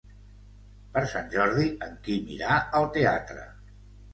Per Sant Jordi en Quim irà al teatre.